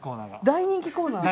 大人気コーナー？